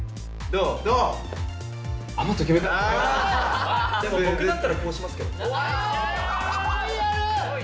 でも僕だったらこうしますけロイヤル。